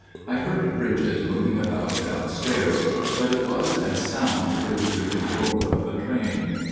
I heard Bridget moving about downstairs ; but it was as sound heard through the roar of a train.